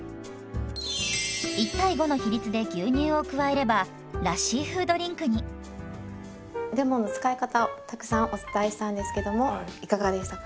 １：５の比率で牛乳を加えればラッシー風ドリンクに。レモンの使い方をたくさんお伝えしたんですけどもいかがでしたか？